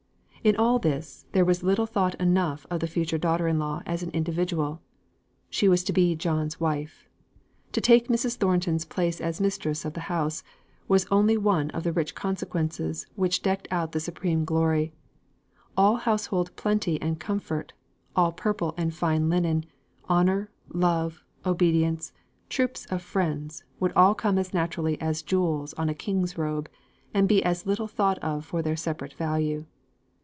In all this, there was little thought enough of the future daughter in law as an individual. She was to be John's wife. To take Mrs. Thornton's place as mistress of the house, was only one of the rich consequences which decked out the supreme glory: all household plenty and comfort, all purple and fine linen, honour, love, obedience, troops of friends, would all come as naturally as jewels on a king's robe, and be as little thought of for their separate value.